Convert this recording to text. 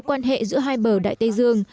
quan hệ giữa hai bờ đại tây dương